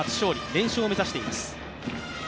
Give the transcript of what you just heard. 連勝を目指しています。